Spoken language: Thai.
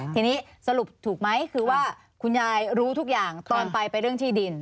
ทีนี้สรุปถูกไหมคือว่าคุณยายรู้ทุกอย่างตอนไปไปเรื่องที่ดิน